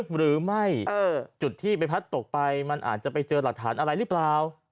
หรือไม่จุดที่ไปพัดตกไปมันอาจจะไปเจอหลักฐานอะไรหรือเปล่า